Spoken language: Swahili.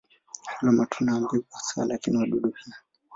Hula matunda na mbegu hasa, lakini wadudu pia.